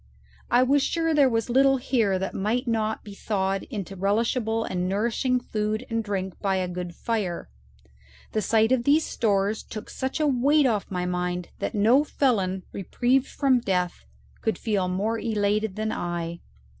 I was sure there was little here that might not be thawed into relishable and nourishing food and drink by a good fire. The sight of these stores took such a weight off my mind that no felon reprieved from death could feel more elated than I.